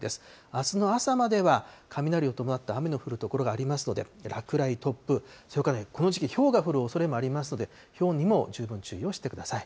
あすの朝までは、雷を伴った雨の降る所がありますので、落雷、突風、それからこの時期、ひょうが降るおそれがありますので、ひょうにも十分注意をしてください。